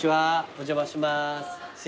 お邪魔します